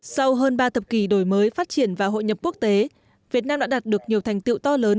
sau hơn ba thập kỷ đổi mới phát triển và hội nhập quốc tế việt nam đã đạt được nhiều thành tiệu to lớn